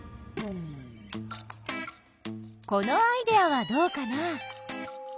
このアイデアはどうかな？